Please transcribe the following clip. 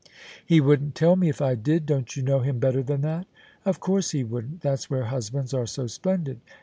" He wouldn't tell me, if I did. Don't you know him better than that?" " Of course he wouldn't. That's where husbands are so splendid.